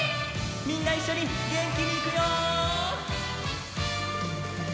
みんないっしょにげんきにいくよ！